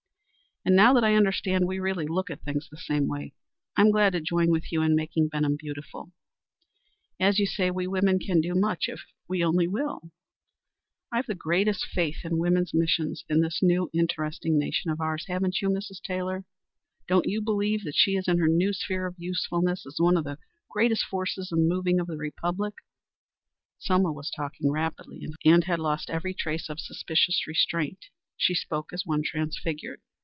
And now that I understand we really look at things the same way, I'm glad to join with you in making Benham beautiful. As you say, we women can do much if we only will. I've the greatest faith in woman's mission in this new, interesting nation of ours. Haven't you, Mrs. Taylor? Don't you believe that she, in her new sphere of usefulness, is one of the great moving forces of the Republic?" Selma was talking rapidly, and had lost every trace of suspicious restraint. She spoke as one transfigured.